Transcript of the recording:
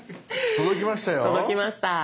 届きました。